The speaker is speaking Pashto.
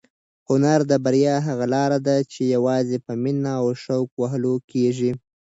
هنر د بریا هغه لاره ده چې یوازې په مینه او شوق وهل کېږي.